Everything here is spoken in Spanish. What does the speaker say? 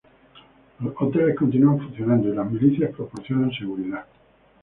Los hoteles continúan funcionando y las milicias proporcionan seguridad".